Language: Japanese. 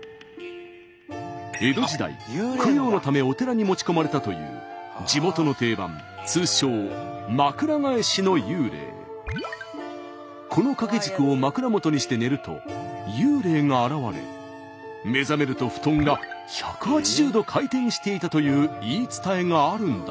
江戸時代供養のためお寺に持ち込まれたという地元の定番通称この掛け軸を枕元にして寝ると幽霊が現れ目覚めると布団が１８０度回転していたという言い伝えがあるんだとか。